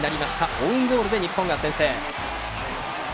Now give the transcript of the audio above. オウンゴールで日本が先制。